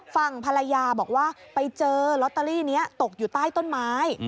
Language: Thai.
ฝั่งภรรยาบอกว่าไปเจอลอตเตอรี่นี้ตกอยู่ใต้ต้นไม้